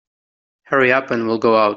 Hurry up and we'll go out.